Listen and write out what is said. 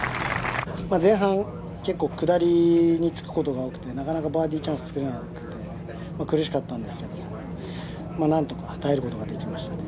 前半下りにつくことが多くてなかなかバーディーチャンス作れなくて苦しかったんですが何とか耐えることができました。